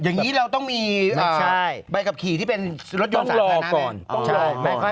อย่างนี้เราต้องมีไปกับขี่ที่เป็นรถยนต์สามคลิปหน้าไหมต้องรอก่อน